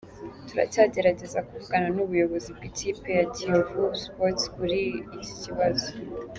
Turacyagerageza kuvugana n’ubuyobozi bw’ikipe ya Kiyovu Sports kuri iki kibazo.